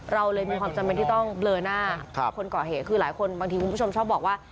เราเลยมีความจำเป็นที่ต้องเบลอหน้าคนก่อเหตุคือหลายคนบางทีคุณผู้ชมชอบบอกว่า